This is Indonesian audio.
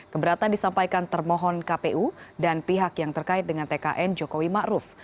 keberatan disampaikan termohon kpu dan pihak yang terkait dengan tkn jokowi ma'ruf